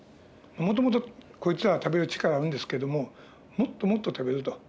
もともとこいつらは食べる力はあるんですけどももっともっと食べると。